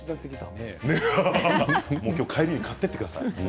今日帰りに買っていってください。